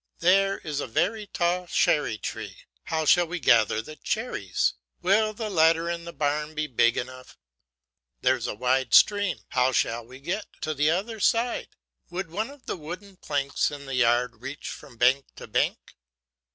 There is a very tall cherry tree; how shall we gather the cherries? Will the ladder in the barn be big enough? There is a wide stream; how shall we get to the other side? Would one of the wooden planks in the yard reach from bank to bank?